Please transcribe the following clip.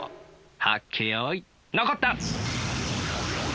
はっけよいのこった！